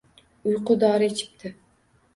Uyqu dori ichibdi